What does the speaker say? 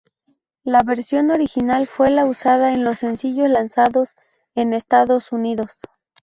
La versión original fue la usada en los sencillos lanzados en Estados Unidos.